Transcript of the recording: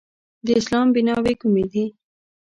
د اسلام بیناوې کومې دي؟